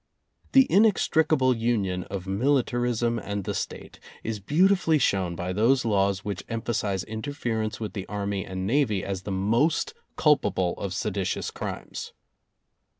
yS The inextricable union of militarism and the State is beautifully shown by those laws which emphasize interference with the Army and Navy as the most culpable of seditious crimes.